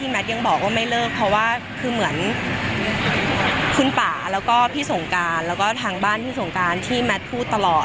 แมทบอกว่าอย่าเลิกเพราะเหมือนคุณป่าพี่สงการทางบ้านพี่สงการที่พูดตลอด